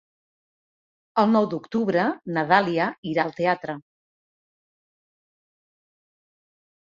El nou d'octubre na Dàlia irà al teatre.